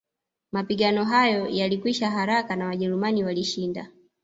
Mapigano hayo yalikwisha haraka na Wajerumani walishinda